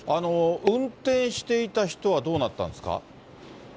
運転していた人はどうなったんですか？